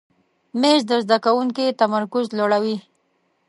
مېز د زده کوونکي تمرکز لوړوي.